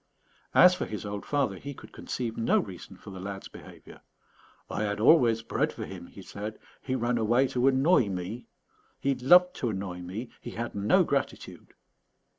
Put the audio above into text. As for his old father, he could conceive no reason for the lad's behaviour. "I had always bread for him," he said; "he ran away to annoy me. He loved to annoy me. He had no gratitude."